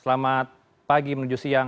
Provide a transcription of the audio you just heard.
selamat pagi menuju siang